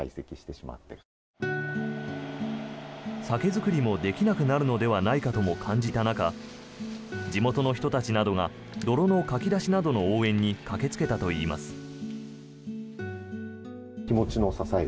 酒造りもできなくなるのではないかとも感じていた中地元の人たちなどが泥のかき出しなどの応援に駆けつけたといいます。